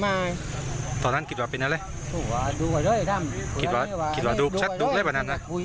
ไม่ตอนนั้นกินต่อเป็นอะไรที่ตะเทือน